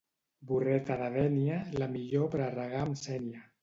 Burreta de Dénia, la millor per a regar amb sénia.